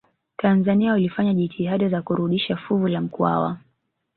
tanzania walifanya jitihada za kurudisha fuvu la mkwawa